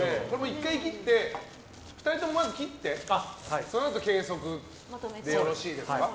１回切って２人ともまず切ってそのあと計測でよろしいですか。